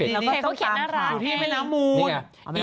สวัสดิฟันอามูล